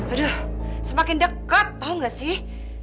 aduh semakin dekat tau gak sih